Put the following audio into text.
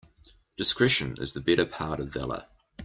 Discretion is the better part of valour.